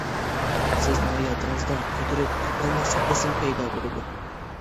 سىزنىڭ ھاياتىڭىزدا كۆتۈرۈپ قوپالماسلىق بېسىم پەيدا بولىدۇ.